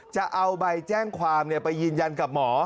จะเอาใบแจ้งความไปยืนยันกับหมอ